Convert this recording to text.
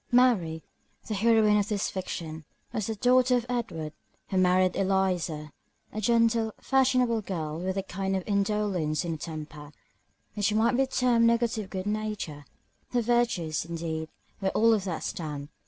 Mary, the heroine of this fiction, was the daughter of Edward, who married Eliza, a gentle, fashionable girl, with a kind of indolence in her temper, which might be termed negative good nature: her virtues, indeed, were all of that stamp.